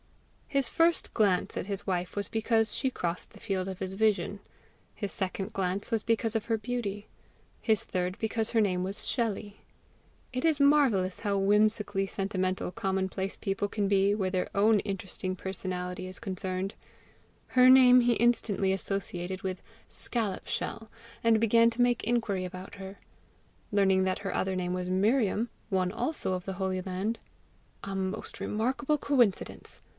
His first glance at his wife was because she crossed the field of his vision; his second glance was because of her beauty; his third because her name was SHELLEY. It is marvellous how whimsically sentimental commonplace people can be where their own interesting personality is concerned: her name he instantly associated with SCALLOP SHELL, and began to make inquiry about her. Learning that her other name was Miriam, one also of the holy land "A most remarkable coincidence!